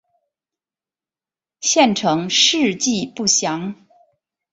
县成事迹不详。